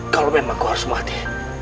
kalau memang kau harus mati